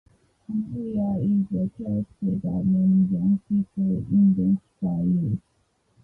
Amelia is a character that many young people identify with.